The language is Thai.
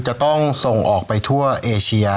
จะต้องส่งออกไปทั่วเอเชีย